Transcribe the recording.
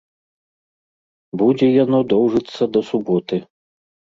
Будзе яно доўжыцца да суботы.